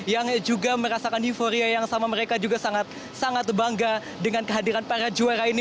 yang juga merasakan euforia yang sama mereka juga sangat bangga dengan kehadiran para juara ini